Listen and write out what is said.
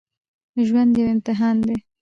ژوند يو امتحان دی